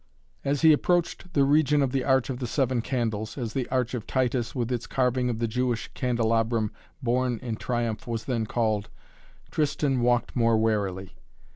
As he approached the region of the Arch of the Seven Candles, as the Arch of Titus with its carving of the Jewish Candelabrum borne in triumph was then called, Tristan walked more warily.